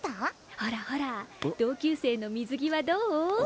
ほらほら同級生の水着はどう？